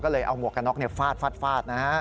ก็เลยเอาหมวกกระน็อกฟาดนะครับ